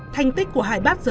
thành tích của hải bắt giới